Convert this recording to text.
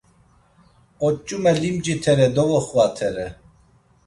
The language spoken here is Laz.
Oç̌ume limci tere dovoxvatere.